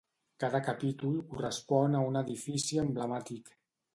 Cada capítol correspon a un edifici emblemàtic.